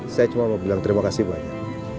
saya cuma mau bilang terima kasih banyak